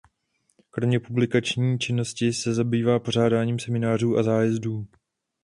Kromě publikační činnosti se zabývá pořádáním seminářů a zájezdů.